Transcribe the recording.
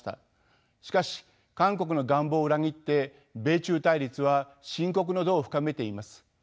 しかし韓国の願望を裏切って米中対立は深刻の度を深めています。